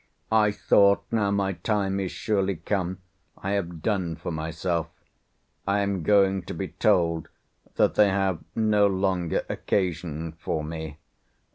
I thought, now my time is surely come, I have done for myself, I am going to be told that they have no longer occasion for me.